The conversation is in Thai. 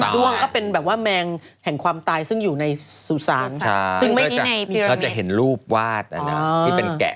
ด้วงก็เป็นแบบว่าแมงแห่งความตายซึ่งอยู่ในสุสานซึ่งเขาจะเห็นรูปวาดที่เป็นแกะ